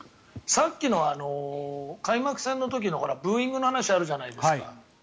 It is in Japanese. さっきの開幕戦の時のブーイングの話あるじゃないですか。